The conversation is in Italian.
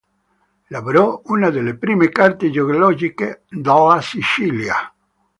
Elaborò una delle prime carte geologiche della Sicilia.